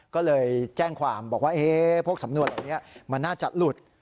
ก็เลยแจ้งความบอกว่าพวกสำนวนเหล่านี้มันน่าจะหลุด